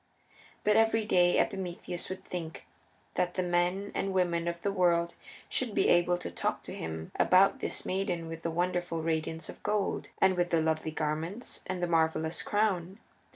But every day Epimetheus would think that the men and women of the world should be able to talk to him about this maiden with the wonderful radiance of gold, and with the lovely garments, and the marvelous crown.